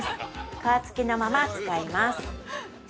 皮つきのまま、使います。